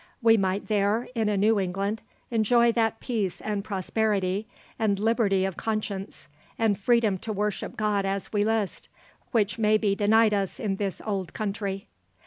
We might there, in a new England, enjoy that peace and prosperity and liberty of conscience, and freedom to worship God as we list, which may be denied us in this old country."